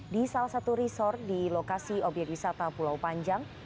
di salah satu resort di lokasi obyek wisata pulau panjang